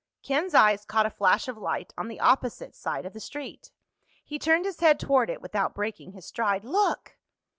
Ken's eyes caught a flash of light on the opposite side of the street. He turned his head toward it without breaking his stride. "Look!"